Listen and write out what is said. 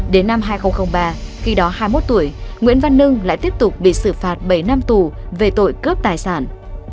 đến năm hai nghìn ba khi đó hai mươi một tuổi nguyễn văn nưng lại tiếp tục bị xử phạt bảy năm tù về tội cướp tài sản